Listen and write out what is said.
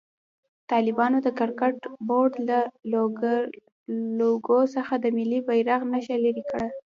طالبانو د کرکټ بورډ له لوګو څخه د ملي بيرغ نښه لېري کړه.